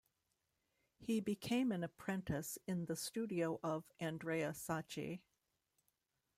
He became an apprentice in the studio of Andrea Sacchi.